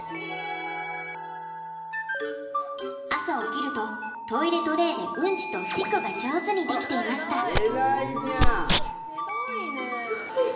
朝起きるとトイレトレーでうんちとおしっこが上手にできていました。